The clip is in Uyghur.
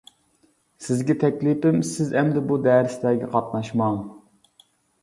سىزگە تەكلىپىم، سىز ئەمدى بۇ دەرسلەرگە قاتناشماڭ.